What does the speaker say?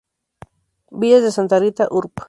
Villas de Santa Rita, Urb.